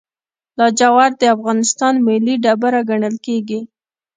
لاجورد د افغانستان ملي ډبره ګڼل کیږي.